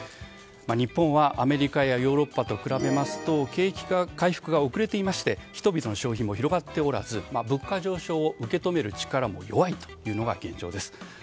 日本は、アメリカやヨーロッパと比べますと景気の回復が遅れていまして人々の消費も広がっておらず、物価上昇を受け止める力も弱いのが現状です。